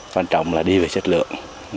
quan trọng là đi về chất lượng